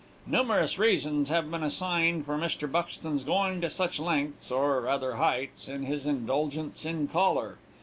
Numerous reasons have been assigned for Mr. Buxton's going to such lengths (or rather heights) in his indulgence in collar.